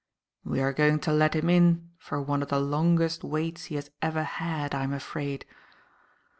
"We are going to let him in for one of the longest waits he has ever had, I am afraid.